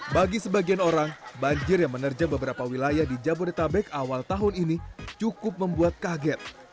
bagi sebagian orang banjir yang menerja beberapa wilayah di jabodetabek awal tahun ini cukup membuat kaget